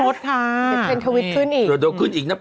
เดือนนิด